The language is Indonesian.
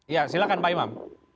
ya silakan pak imam